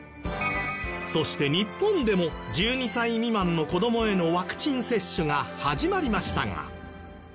そして日本でも１２歳未満の子どもへのワクチン接種が始まりましたが。